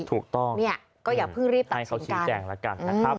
ถูกต้องให้เขาชีวิตแจ่งละกันนะครับ